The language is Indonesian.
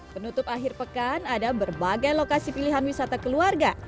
penutup akhir pekan ada berbagai lokasi pilihan wisata keluarga